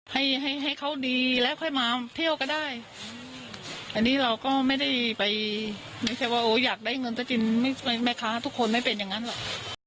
ให้เขาดีและค่อยมาเที่ยวก็ได้อันนี้เราก็ไม่ได้ไปอยากได้เงินจาจินแม่ค้าทุกคนไม่เป็นอย่างนั้นหรอก